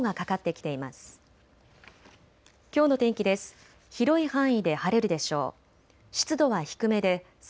きょうの天気です。